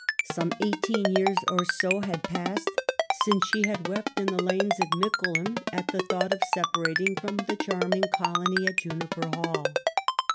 Some eighteen years or so had passed since she had wept in the lanes at Mickle ham at the thought of separating from the charm ing colony at Juniper Hall.